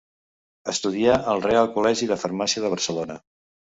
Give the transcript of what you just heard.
Estudià al Reial Col·legi de Farmàcia de Barcelona.